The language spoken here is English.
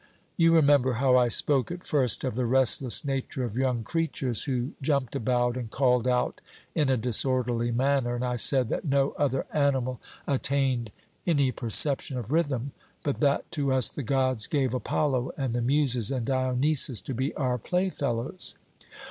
You remember how I spoke at first of the restless nature of young creatures, who jumped about and called out in a disorderly manner, and I said that no other animal attained any perception of rhythm; but that to us the Gods gave Apollo and the Muses and Dionysus to be our playfellows.